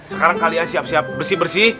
sekarang kalian siap siap bersih bersih